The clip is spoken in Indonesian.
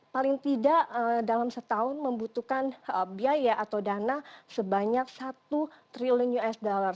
paling tidak dalam setahun membutuhkan biaya atau dana sebanyak satu triliun usd